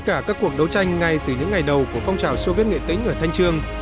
tất cả các cuộc đấu tranh từ những ngày đầu của phong trào soviet nghệ tính ở thanh trương